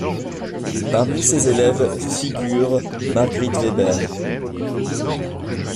Parmi ses élèves figure Margrit Weber.